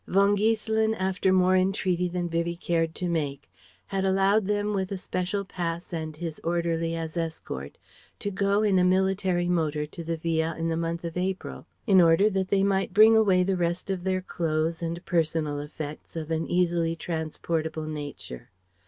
Von Giesselin, after more entreaty than Vivie cared to make, had allowed them with a special pass and his orderly as escort to go in a military motor to the Villa in the month of April in order that they might bring away the rest of their clothes and personal effects of an easily transportable nature.